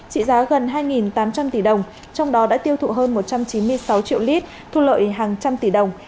trị giá gần hai tám trăm linh tỷ đồng trong đó đã tiêu thụ hơn một trăm chín mươi sáu triệu lít thu lợi hàng trăm tỷ đồng